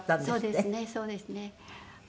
そうですねそうですね。